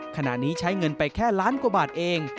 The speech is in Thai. ขณะนี้ใช้เงินไปแค่ล้านกว่าบาทเอง